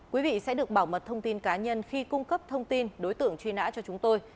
quý vị sẽ được bảo mật thông tin cá nhân khi cung cấp thông tin đối tượng truy nã cho chúng tôi